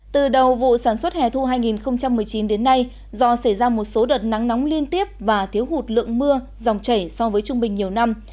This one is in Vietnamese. từ đầu vụ sản xuất hè thu hai nghìn một mươi chín đến nay do xảy ra một số đợt nắng nóng liên tiếp và thiếu hụt lượng mưa dòng chảy so với trung bình nhiều năm